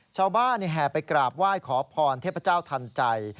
แห่ไปกราบไหว้ขอพรเทพเจ้าทันใจ